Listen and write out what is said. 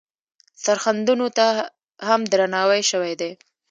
سرښندنو ته هم درناوی شوی دی.